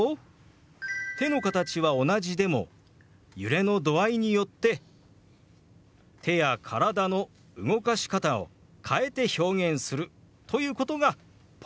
手の形は同じでも揺れの度合いによって手や体の動かし方を変えて表現するということがポイントですよ。